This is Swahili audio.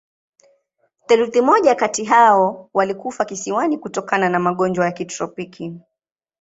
Theluji moja kati hao walikufa kisiwani kutokana na magonjwa ya kitropiki.